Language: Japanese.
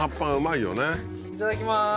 いただきまーす